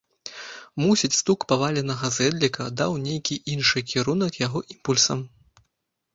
Мусіць, стук паваленага зэдліка даў нейкі іншы кірунак яго імпульсам.